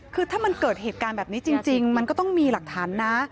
คือถ้ามันเกิดเหตุการณ์แบบนี้จริงมันก็ต้องมีหลักฐานนะ